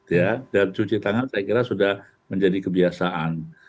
ya dan cuci tangan saya kira sudah menjadi kebiasaan